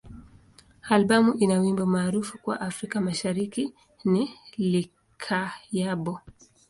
Albamu ina wimbo maarufu kwa Afrika Mashariki ni "Likayabo.